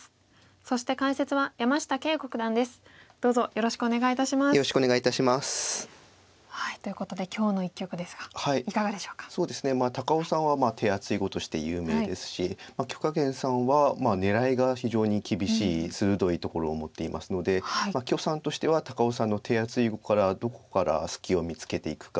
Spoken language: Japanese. そうですね高尾さんは手厚い碁として有名ですし許家元さんは狙いが非常に厳しい鋭いところを持っていますので許さんとしては高尾さんの手厚い碁からどこから隙を見つけていくか。